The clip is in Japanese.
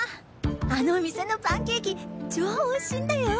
あのお店のパンケーキ超おいしいんだよ！